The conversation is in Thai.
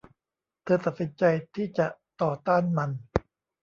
เธอตัดสินใจที่จะต่อต้านมัน